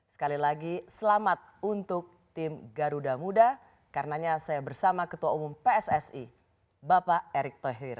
sekali lagi selamat untuk tim garuda muda karenanya saya bersama ketua umum pssi bapak erick thohir